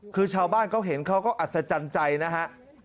คือชาวบ้านเขาเห็นเขาก็อัศจรรย์ใจนะฮะ